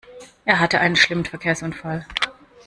Er hatte einen schlimmen Verkehrsunfall.